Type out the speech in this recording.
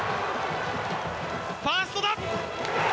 ファーストだ！